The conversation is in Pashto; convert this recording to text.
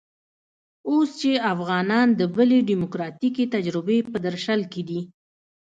اوس چې افغانان د بلې ډيموکراتيکې تجربې په درشل کې دي.